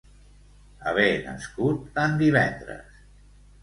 Haver nascut en divendres.